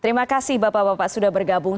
terima kasih bapak bapak sudah bergabung